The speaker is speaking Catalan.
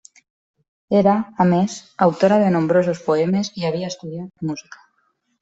Era, a més, autora de nombrosos poemes i havia estudiat música.